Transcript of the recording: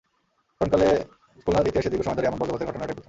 স্মরণকালে খুলনার ইতিহাসে দীর্ঘ সময় ধরে এমন বজ্রপাতের ঘটনা এটাই প্রথম।